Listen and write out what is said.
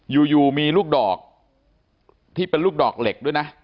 อยู่มีลูกดอกที่เป็นลูกดอกเหล็กด้วยนะ